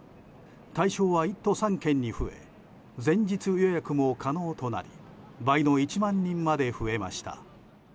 対象は１都３県に増え前日予約も可能となり倍の１万人まで増えました。